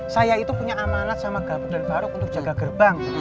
saya itu punya amanat sama gabungan baru untuk jaga gerbang